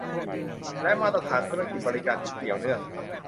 และมาตรฐานธุรกิจบริการที่เกี่ยวเนื่อง